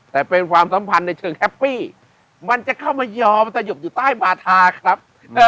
แต่เป็นความสัมพันธ์ในเชิงแฮปปี้มันจะเข้ามายอมสยบอยู่ใต้บาธาครับ